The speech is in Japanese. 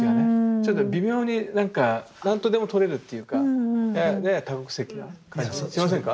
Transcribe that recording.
ちょっと微妙になんか何とでもとれるっていうかやや多国籍な感じしませんか？